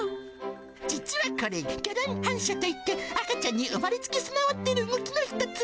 実はこれ、ギャラン反射といって、赤ちゃんに生まれつき備わっている動きの一つ。